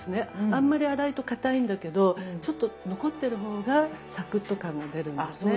あんまり粗いとかたいんだけどちょっと残ってる方がサクッと感が出るんですね。